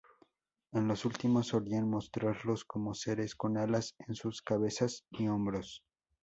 Estos últimos solían mostrarlos como seres con alas en sus cabezas y hombros.